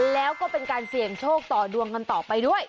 แล้วก็เป็นการเสี่ยงโชคต่อดวงกันต่อไปด้วย